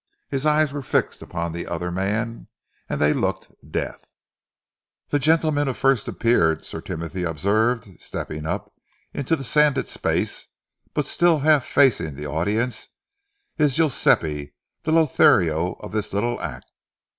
His eyes were fixed upon the other man, and they looked death. "The gentleman who first appeared," Sir Timothy observed, stepping up into the sanded space but still half facing the audience, "is Guiseppe, the Lothario of this little act.